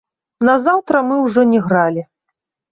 Назаўтра мы ўжо не гралі.